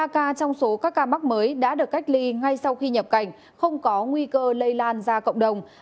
ba ca trong số các ca mắc mới đã được cách ly ngay sau khi nhập cảnh không có nguy cơ lây lan ra cộng đồng